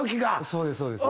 そうですそうです。